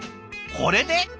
これで？